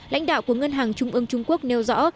lãnh đạo của ngân hàng trung ương trung quốc nêu rõ